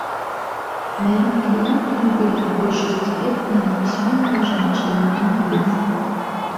Маімі кліентамі былі ў большасці бедныя непісьменныя жанчыны і нявесты.